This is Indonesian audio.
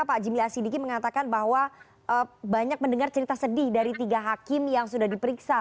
pak jimli asidiki mengatakan bahwa banyak mendengar cerita sedih dari tiga hakim yang sudah diperiksa